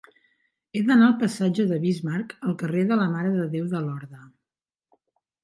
He d'anar del passatge de Bismarck al carrer de la Mare de Déu de Lorda.